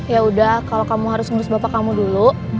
ya udah kalau kamu harus ngurus bapak kamu dulu